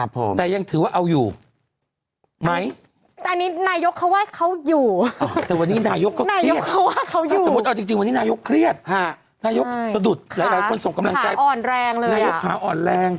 เพราะได้ประเทศนายุขาอ่อนแรง